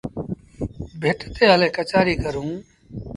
ڀٽ تي هلي ڪچهريٚ ڪرون۔